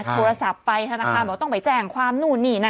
โทรศัพท์ไปธนาคารบอกต้องไปแจ้งความนู่นนี่นั่น